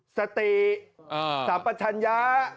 สติสรรพชัญญะ